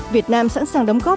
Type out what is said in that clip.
việt nam sẵn sàng đóng góp